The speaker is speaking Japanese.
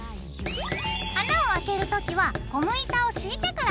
穴をあける時はゴム板を敷いてから作業してね。